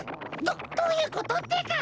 どどういうことってか！？